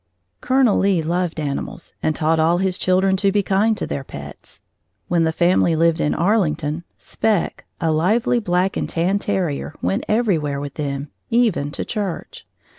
Colonel Lee loved animals and taught all his children to be kind to their pets. When the family lived in Arlington, "Spec," a lively black and tan terrier, went everywhere with them, even to church.